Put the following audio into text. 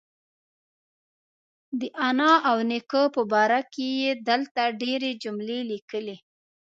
د انا او نیکه باره کې یې دلته ډېرې جملې لیکلي.